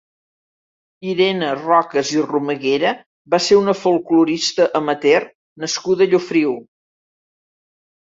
Irene Rocas i Romaguera va ser una folklorista amateur nascuda a Llofriu.